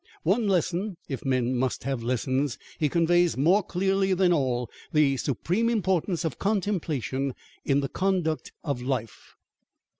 One lesson, if men must have lessons, he conveys more clearly than all, the supreme importance of contemplation in the conduct of life.